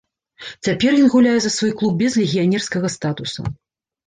Цяпер ён гуляе за свой клуб без легіянерскага статуса.